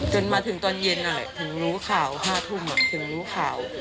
เดินมาถึงตอนเย็นอ่ะแหละหนูรู้ข่าวห้าทุ่มอ่ะเดินรู้ข่าว